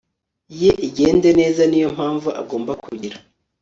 ye igende neza niyo mpamvu agomba kugira